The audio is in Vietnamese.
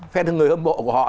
phen thân người hâm bộ của họ